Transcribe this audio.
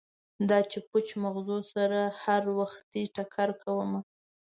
دا چې پوچ مغزو سره هروختې ټکر کومه